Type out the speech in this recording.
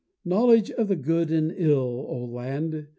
_ Knowledge of Good and of Ill, O Land!